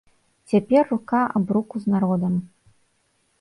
Цяпер рука аб руку з народам!